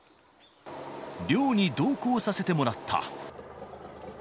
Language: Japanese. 漁に同行させてもらった。